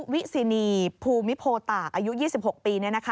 วิสินีภูมิโพตากอายุ๒๖ปี